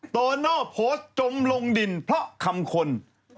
โตโน่โพสต์จมลงดินเพราะคำคน